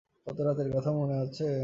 গত রাতের কথা মনে আছে?